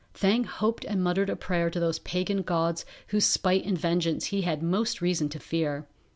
Thang hoped and muttered a prayer to those pagan gods whose spite and vengeance he had most reason to fear.